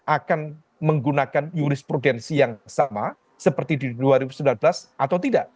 akan menggunakan jurisprudensi yang sama seperti di dua ribu sembilan belas atau tidak